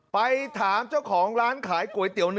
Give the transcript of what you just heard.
ไปถามเจ้าของร้านขายก๋วยเตี๋ยว๑